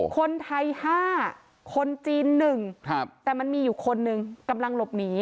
คนไทย๕คนจีน๑แต่มันมีอยู่คนหนึ่งกำลังหลบหนี